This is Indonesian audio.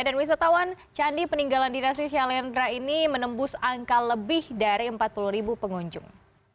dan wisatawan candi peninggalan dinasti shalendra ini menembus angka lebih dari empat puluh ribu pengunjung